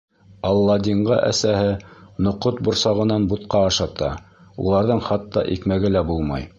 Аладдинға әсәһе ноҡот борсағынан бутҡа ашата, уларҙың хатта икмәге лә булмай!